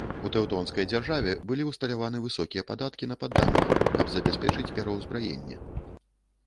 У тэўтонскай дзяржаве былі ўсталяваны высокія падаткі на падданых, каб забяспечыць пераўзбраенне.